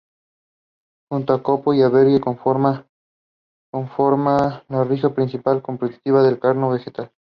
Junto a Copo y Alberdi, conforman la región principal productiva de carbón vegetal.